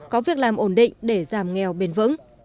có việc làm ổn định để giảm nghèo bền vững